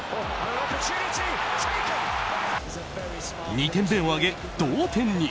２点目を挙げ、同点に。